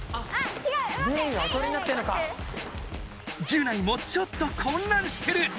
ギュナイもちょっと混乱してる！